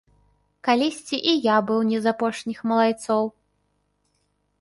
Калісьці і я быў не з апошніх малайцоў.